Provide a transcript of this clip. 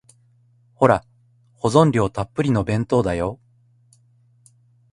ほら、保存料たっぷりの弁当だよ。